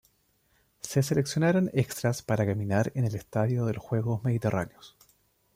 Se seleccionaron extras para caminar en el Estadio de los Juegos Mediterráneos.